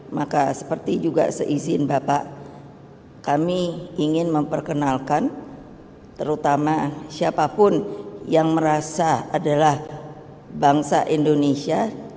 maka seperti juga seizin bapak kami ingin memperkenalkan terutama siapapun yang merasa adalah bangsa indonesia